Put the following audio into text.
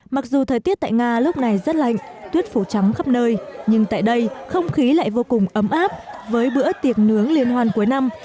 mặc dù thời tiết tại nga lúc này rất lạnh tuyết phủ trắng khắp nơi nhưng tại đây không khí lại vô cùng ấm áp với bữa tiệc nướng liên hoan cuối năm